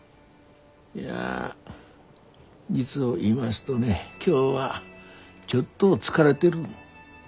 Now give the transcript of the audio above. いや実を言いますとね今日はちょっと疲れでる。